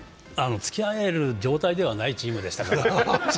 付き合える状態ではないチームでしたから。